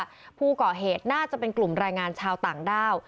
ว่าผู้ก่อเหตุน่าจะเป็นกลุ่มแรงงานชาวต่างด้าว